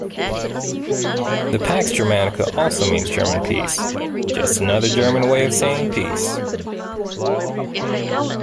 The "Pax Germanica" also means 'German peace', just another German way of saying peace.